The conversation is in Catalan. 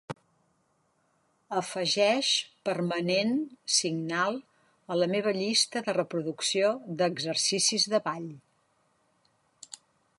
Afegeix Permanent Signal a la meva llista de reproducció d'exercicis de ball.